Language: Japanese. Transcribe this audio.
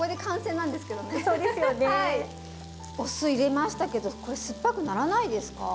お酢入れましたけどこれ酸っぱくならないですか？